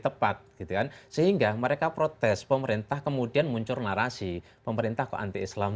tepat gitu kan sehingga mereka protes pemerintah kemudian muncul narasi pemerintah kok anti islam